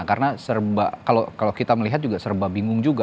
karena kalau kita melihat juga serba bingung juga